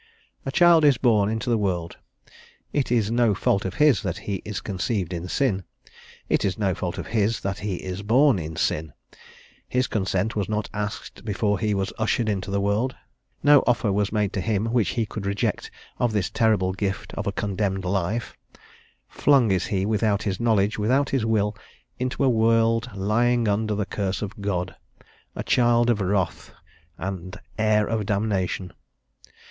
A child is born into the world; it is no fault of his that he is conceived in sin; it is no fault of his that he is born in sin; his consent was not asked before he was ushered into the world; no offer was made to him which he could reject of this terribly gift of a condemned life; flung is he, without his knowledge, without his will, into a world lying under the curse of God, a child of wrath, and heir of damnation.